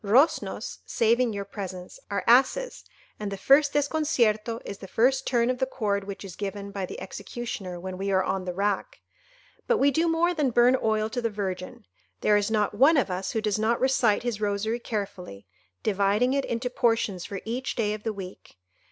Roznos—saving your presence—are asses, and the first desconcierto is the first turn of the cord which is given by the executioner when we are on the rack. But we do more than burn oil to the Virgin. There is not one of us who does not recite his rosary carefully, dividing it into portions for each day of the week.